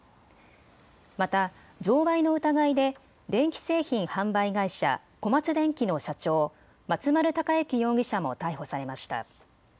また贈賄の疑いで電気製品販売会社、小松電器の社長、松丸隆行容疑者も逮捕されました。